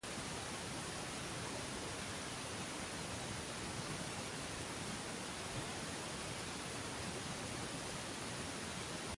Hay veintiún canciones entraron y "Always and Forever" se presentará octavo.